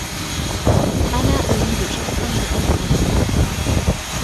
انا اريد شخصاً لألكمه